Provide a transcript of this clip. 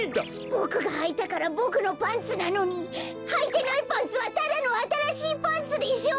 ボクがはいたからボクのパンツなのにはいてないパンツはただのあたらしいパンツでしょう！